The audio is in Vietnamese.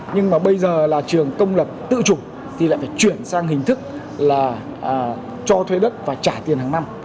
nhưng mà bây giờ là trường công lập tự chủ thì lại phải chuyển sang hình thức là cho thuê đất và trả tiền hàng năm